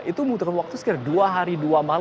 itu membutuhkan waktu sekitar dua hari dua malam